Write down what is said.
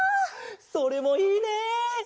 それもいいね！